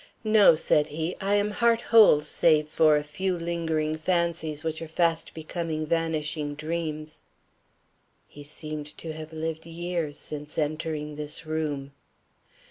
"No," said he; "I am heart whole save for a few lingering fancies which are fast becoming vanishing dreams." He seemed to have lived years since entering this room.